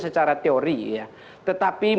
secara teori ya tetapi